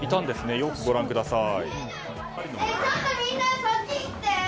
よくご覧ください。